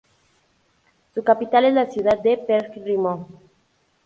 Su capital es la ciudad de Pelhřimov.